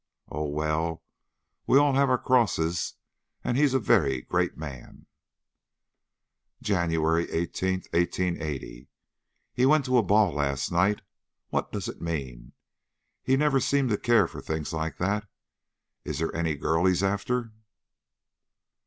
Oh, well, we all have our crosses, and he's a very great man." "JANUARY 18, 1880. He went to a ball last night. What does it mean? He never seemed to care for things like that. Is there any girl he is after?"